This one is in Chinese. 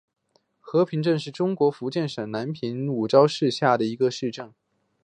和平镇是中国福建省南平市邵武市下辖的一个镇。